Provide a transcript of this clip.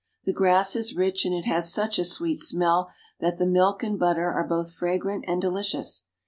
The grass is rich, and it has such a sweet smell that the milk and butter are both fragrant and delicious.